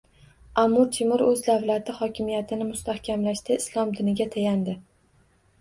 Amir Temur o'z davlati hokimiyatini mustahkamlashda islom diniga tayandi.